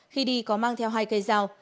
khi đi có mang theo hai cây dao